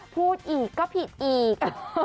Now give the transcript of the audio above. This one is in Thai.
พูดอีกก็ผิดอีก